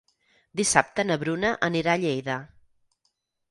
Dissabte na Bruna anirà a Lleida.